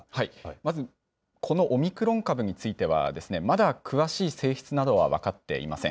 まず、このオミクロン株については、まだ詳しい性質などは分かっていません。